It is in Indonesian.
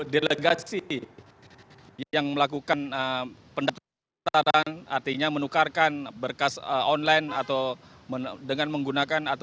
lima belas delegasi yang melakukan pendatangan artinya menukarkan berkas online atau dengan menggunakan atau